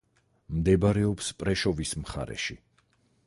მდებარეობს პრეშოვის მხარეში.